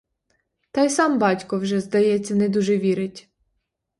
Та й сам батько вже, здається, не дуже вірить.